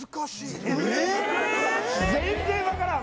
全然分からん